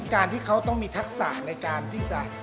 การที่เขาต้องมีทักษะในการที่จะ